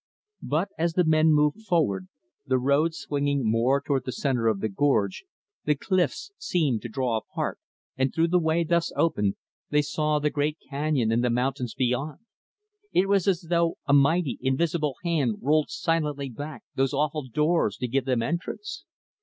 But, as the men moved forward, the road swinging more toward the center of the gorge, the cliffs seemed to draw apart, and, through the way thus opened, they saw the great canyon and the mountains beyond. It was as though a mighty, invisible hand rolled silently back those awful doors to give them entrance.